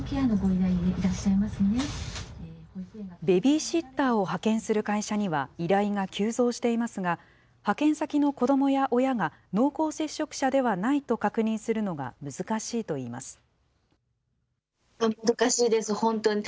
ベビーシッターを派遣する会社には、依頼が急増していますが、派遣先の子どもや親が、濃厚接触者ではないと確認するのが難しいといいます。